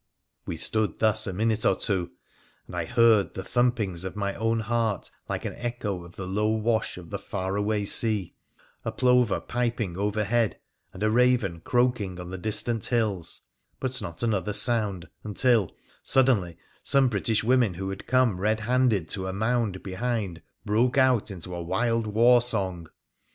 We stood thus a minute or two, and I heard the thumpings of my own heart, like an echo of the low wash of the far away sea — a plover piping overhead, and a raven croaking on the distant hills, but not another sound until — suddenly some British women who had come red handed to a mound behind broke out into a wild war song.